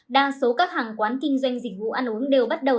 đa số các hàng quán kinh doanh dịch vụ ăn uống đều bắt đầu